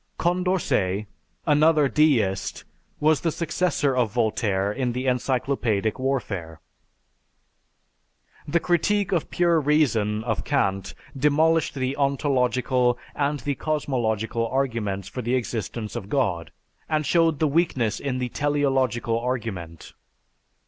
Condorcet, another deist, was the successor of Voltaire in the Encyclopædic warfare. The "Critique of Pure Reason" of Kant demolished the ontological and the cosmological arguments for the existence of God and showed the weakness in the teleological argument.